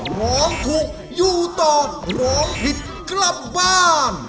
ร้องถูกอยู่ต่อร้องผิดกลับบ้าน